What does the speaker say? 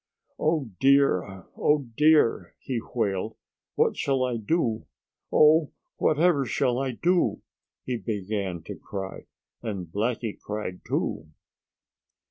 "Oh, dear! oh, dear!" he wailed. "What shall I do? Oh! whatever shall I do?" He began to cry. And Blackie cried too.